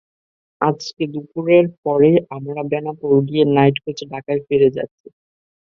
আজকে দুপুরের পরেই আমরা বেনাপোল গিয়ে নাইট কোচে ঢাকায় ফিরে যাচ্ছি।